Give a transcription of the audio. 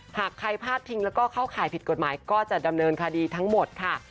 หากใครพาดพิงแล้วก็เข้าข่ายผิดกฎหมายก็จะดำเนินคดีทั้งหมดค่ะ